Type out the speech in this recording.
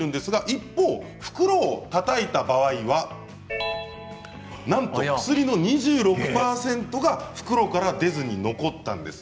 一方袋をたたいた場合はなんと薬の２６％が袋から出ずに残ったんです。